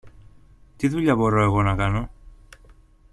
Τι δουλειά μπορώ εγώ να κάνω;